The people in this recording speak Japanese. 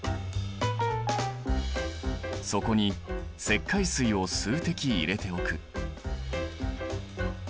そこに石灰水を数滴入れておく。